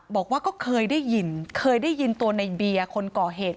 บอกว่าก็เคยได้ยินเคยได้ยินตัวในเบียร์คนก่อเหตุ